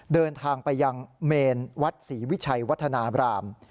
เดินทางไปยังเมนวัดศรีวิชัยวัฒนาบราม